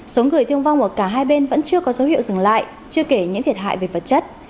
số người thương vong ở cả hai bên vẫn chưa có dấu hiệu dừng lại chưa kể những thiệt hại về vật chất